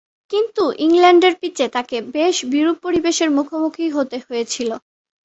কিন্তু, ইংল্যান্ডের পিচে তাকে বেশ বিরূপ পরিবেশের মুখোমুখি হতে হয়েছিল।